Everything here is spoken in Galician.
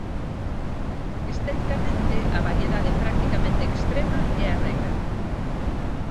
Porque esteticamente a variedade practicamente extrema é a regra.